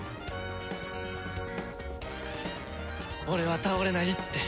俺は倒れないって。